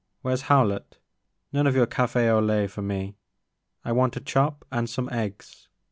Where 's Howlett, — none of your ca/^ au lait for me, — I want a chop and some eggs.